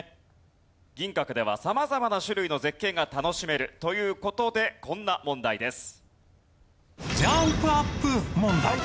銀閣では様々な種類の絶景が楽しめるという事でこんな問題です。